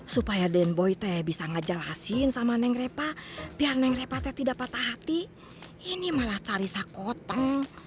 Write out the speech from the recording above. supaya dian boy teh bisa ngejelasin sama neng repa biar neng repa teh tidak patah hati ini malah cari sakutang